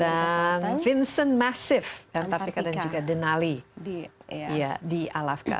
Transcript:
dan vincent massif di antarctica dan juga denali di alaska